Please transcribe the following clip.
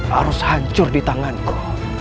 harus hancur di tanganku